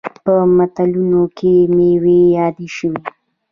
په متلونو کې میوې یادې شوي.